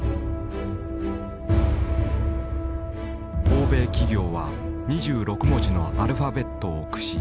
欧米企業は２６文字のアルファベットを駆使。